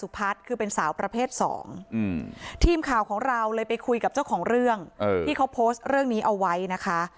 คือเป็นสาวประเภทสองอืมทีมข่าวของเราเลยไปคุยกับเจ้าของเรื่องที่เขาโพสต์เรื่องนี้เอาไว้นะคะ